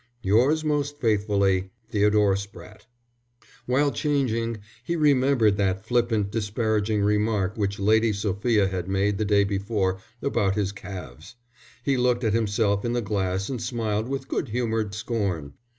_ Yours most faithfully, THEODORE SPRATTE. While changing, he remembered that flippant, disparaging remark which Lady Sophia had made the day before about his calves. He looked at himself in the glass and smiled with good humoured scorn.